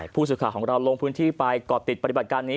ผู้สื่อข่าวของเราลงพื้นที่ไปก่อติดปฏิบัติการนี้